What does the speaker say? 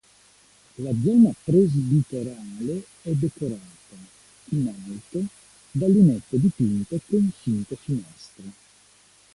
La zona presbiterale è decorata, in alto, da lunette dipinte con finte finestre.